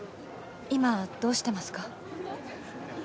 今どうしてますか？